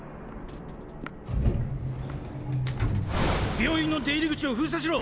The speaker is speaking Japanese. ⁉病院の出入り口を封鎖しろ！